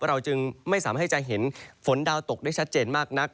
เราจึงไม่สามารถจะเห็นฝนดาวตกได้ชัดเจนมากนัก